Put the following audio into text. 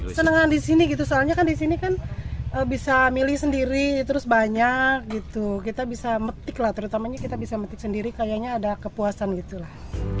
senangan di sini gitu soalnya kan di sini kan bisa milih sendiri terus banyak gitu kita bisa metik lah terutamanya kita bisa metik sendiri kayaknya ada kepuasan gitu lah